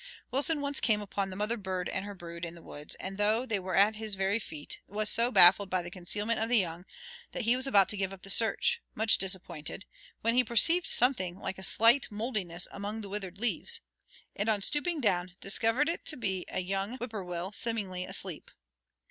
Wilson once came upon the mother bird and her brood in the woods, and, though they were at his very feet, was so baffled by the concealment of the young that he was about to give up the search, much disappointed, when he perceived something "like a slight moldiness among the withered leaves, and, on stooping down, discovered it to be a young whippoorwill seemingly asleep."